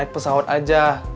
naik pesawat aja